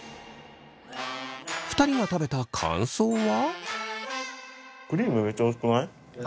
２人が食べた感想は？